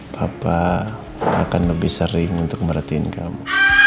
papa akan lebih sering untuk merhatiin kamu